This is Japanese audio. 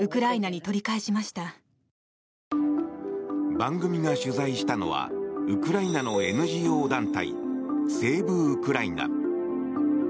番組が取材したのはウクライナのＮＧＯ団体セーブ・ウクライナ。